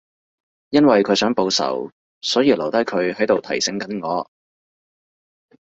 因為佢想報仇，所以留低佢喺度提醒緊我